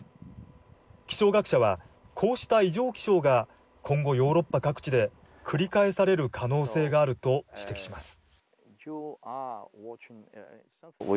気象学者は、こうした異常気象が今後ヨーロッパ各地で繰り返される可能性があると指摘します。